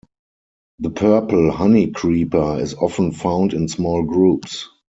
The purple honeycreeper is often found in small groups.